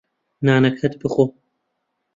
نانەکەت بخۆ.